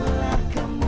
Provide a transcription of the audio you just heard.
itulah kemuliaan ramadhan